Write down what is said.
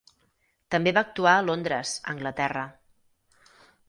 També va actuar a Londres, Anglaterra.